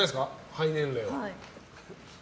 肺年齢は。